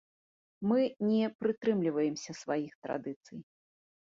Мы не прытрымліваемся сваіх традыцый.